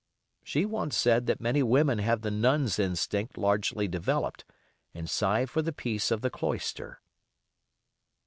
She once said that many women have the nun's instinct largely developed, and sigh for the peace of the cloister.